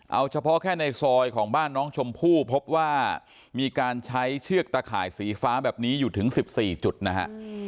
เอาเฉพาะแค่ในซอยของบ้านน้องชมพู่พบว่ามีการใช้เชือกตะข่ายสีฟ้าแบบนี้อยู่ถึง๑๔จุดนะฮะ